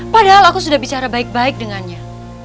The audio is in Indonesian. padahal aku sudah bicara baik baik dengannya